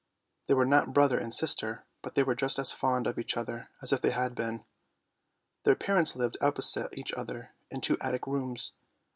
They were not brother and sister, but they were just as fond of each other as if they had been. Their parents lived opposite each other in two attic rooms.